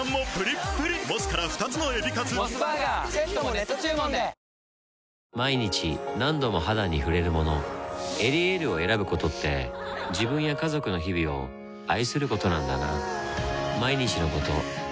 熱中症に気をつけたいと話し毎日何度も肌に触れるもの「エリエール」を選ぶことって自分や家族の日々を愛することなんだなぁ